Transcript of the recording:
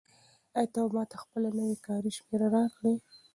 آیا ته به ماته خپله نوې کاري شمېره راکړې؟